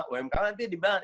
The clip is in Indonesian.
umkm nanti dibangun